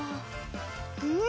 うん！